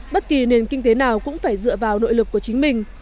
bất kỳ nền kinh tế nào cũng phải dựa vào nội lực của chính mình